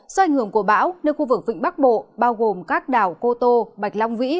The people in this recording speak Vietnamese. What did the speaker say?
do ảnh hưởng của bão nơi khu vực vịnh bắc bộ bao gồm các đảo cô tô bạch long vĩ